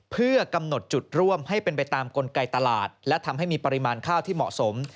เพื่อกำหนดจุดร่วมให้เป็นไปตามกลไกตลาดและทำให้มีปริมาณข้าวที่เหมาะสม